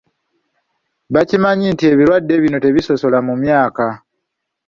Bakimanyi nti ebirwadde bino tebisosola mu myaka.